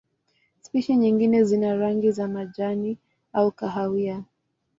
Spishi nyingine zina rangi ya majani au kahawa.